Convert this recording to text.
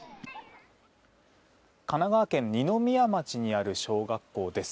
神奈川県二宮町にある小学校です。